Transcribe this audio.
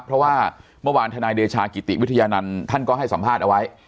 เพราะว่าเมื่อวานธนายเดชากิติวิทยานันต์ท่านก็ให้สัมภาษณ์เอาไว้